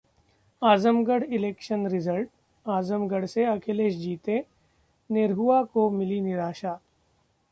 Azamgarh Election Result: Azamgarh से अखिलेश जीते, निरहुआ को मिली निराशा